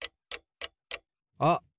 あっ！